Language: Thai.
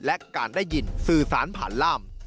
และการได้ยินสื่อสารผ่านร่าม